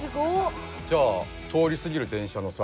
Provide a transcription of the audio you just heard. じゃあ通りすぎる電車のさ。